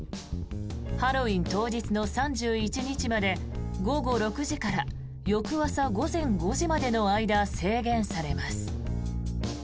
ハロウィーン当日の３１日まで午後６時から翌朝午前５時までの間制限されます。